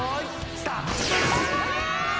スタート。